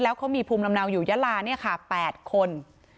แล้วเขามีภูมิลำเนาอยู่ยาลาเนี่ยค่ะแปดคน